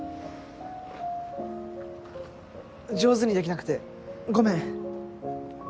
上手にできなくてごめん。